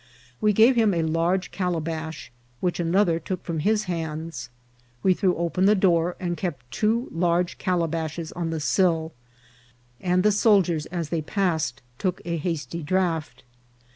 We gave him a large calabash, which another took from his hands. We threw open the door, and kept two large calabashes on the sill ; and the soldiers, as they passed, took a hasty draught.